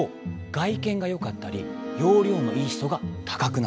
外見がよかったりようりょうのいい人が高くなる。